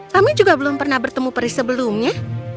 kami juga belum pernah bertemu peri sebelumnya